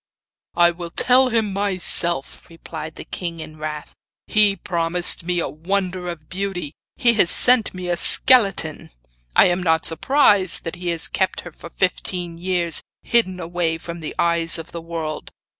'I will tell him myself,' replied the king in wrath; 'he promised me a wonder of beauty, he has sent me a skeleton! I am not surprised that he has kept her for fifteen years hidden away from the eyes of the world.